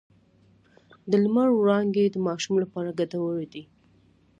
د لمر وړانګې د ماشوم لپاره ګټورې دي۔